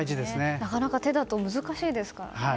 なかなか手だと難しいですからね。